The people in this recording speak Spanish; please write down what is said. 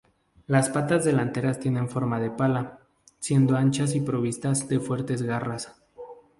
Las patas delanteras tienen forma de pala, siendo anchas y provistas de fuertes garras.